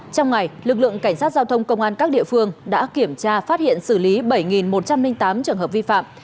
trong ngày lực lượng cảnh sát giao thông công an các địa phương đã kiểm tra phát hiện xử lý bảy một trăm linh tám trường hợp vi phạm